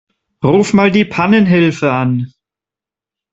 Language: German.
Ruf mal die Pannenhilfe an.